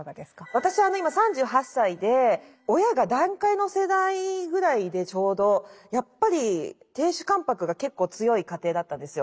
私は今３８歳で親が団塊の世代ぐらいでちょうどやっぱり亭主関白が結構強い家庭だったんですよ。